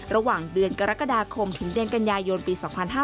ระหว่างเดือนกรกฎาคมถึงเดือนกันยายนปี๒๕๕๙